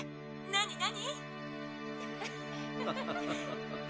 「何？何？」